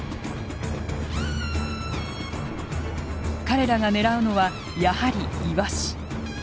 彼らが狙うのはやはりイワシ。